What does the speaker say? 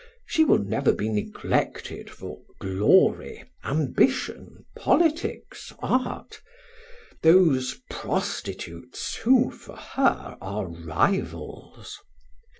She will never be neglected for glory, ambition, politics, art those prostitutes who for her are rivals.